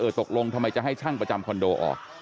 ตกลงทำไมจะให้ช่างประจำคอนโดออก